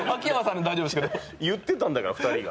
言ってたんだから、２人が。